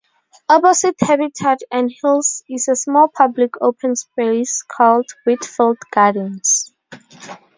Opposite Habitat and Heals is a small public open space called Whitfield Gardens.